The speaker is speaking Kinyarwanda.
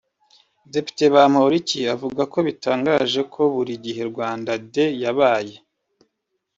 Depite Bamporiki avuga ko bitangaje ko buri gihe Rwanda Day yabaye